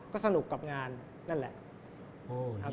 ก็สนุกกับงานนั่นแหละ